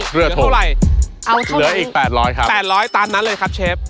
เหลือเท่าไหร่เหลืออีก๘๐๐ครับ๘๐๐ตันนั้นเลยครับเชฟ